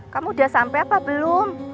kamu udah sampai apa belum